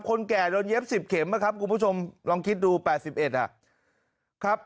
คนแก่โดนเย็บ๑๐เข็มนะครับคุณผู้ชมลองคิดดู๘๑ครับ